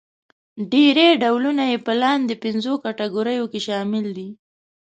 ډېری ډولونه يې په لاندې پنځو کټګوریو کې شامل دي.